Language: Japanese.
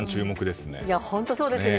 本当にそうですね。